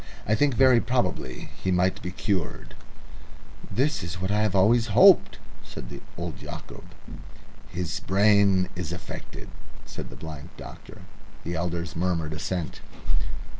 I think very probably he might be cured." "That is what I have always hoped," said old Yacob. "His brain is affected," said the blind doctor. The elders murmured assent.